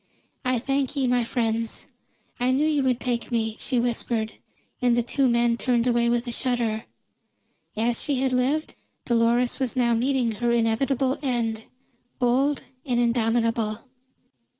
"I thank ye, my friends; I knew you would take me," she whispered, and the two men turned away with a shudder. As she had lived, Dolores was now meeting her inevitable end, bold and indomitable.